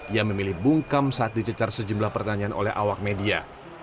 ia memilih bungkam saat dicecar sejumlah pertanyaan oleh awak media